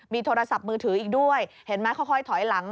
มีโทรศัพท์มือถืออีกด้วยเห็นไหมค่อยถอยหลัง